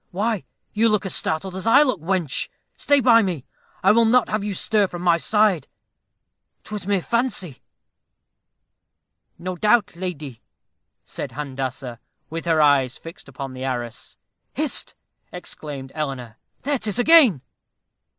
Why, you look as startled as I look, wench; stay by me I will not have you stir from my side 'twas mere fancy." "No doubt, lady," said Handassah, with her eyes fixed upon the arras. "Hist!" exclaimed Eleanor, "there 'tis again."